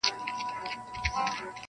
• كه اورونه ابدي غواړئ بچيانو -